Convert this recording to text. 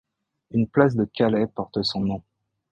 Une place de Calais porte son nom.